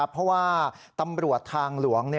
เพราะว่าตำรวจทางหลวง